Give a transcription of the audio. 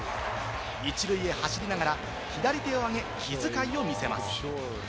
１塁へ走りながら左手を上げ、気遣いを見せます。